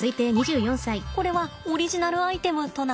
これはオリジナルアイテムとな。